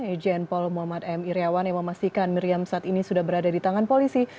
ejen paul muhammad m iryawan yang memastikan miriam saat ini sudah berada di tangan polisi